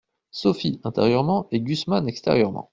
Sophie intérieurement et Gusman extérieurement.